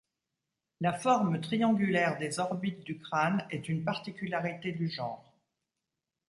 La forme triangulaire des orbites du crâne est une particularité du genre.